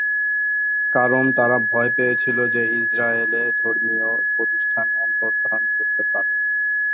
কারণ তারা ভয় পেয়েছিল যে ইসরায়েলের ধর্মীয় প্রতিষ্ঠান অন্তর্ধান করতে পারে।